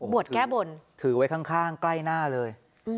แก้บนถือไว้ข้างใกล้หน้าเลย